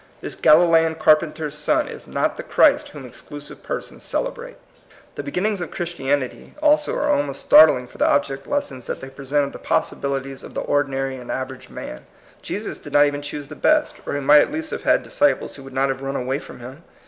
This Galilean carpenter's son is not the Christ whom exclusive persons cele brate. The beginnings of Christianity also are almost startling for the object lessons that they present of the possibilities of the or dinary and average man. Jesus did not even choose the best, or he might at least have had disciples who would not have run away from him.